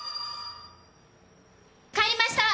帰りました！